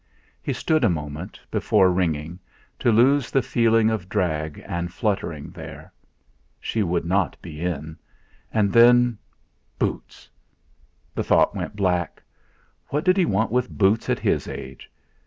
He stood a moment, before ringing, to lose the feeling of drag and fluttering there. She would not be in! And then Boots! The thought was black. What did he want with boots at his age?